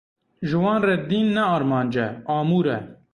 Ji wan re dîn ne armanc e, amûr e.